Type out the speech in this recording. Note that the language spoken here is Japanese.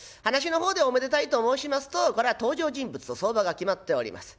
噺の方でおめでたいと申しますとこら登場人物と相場が決まっております。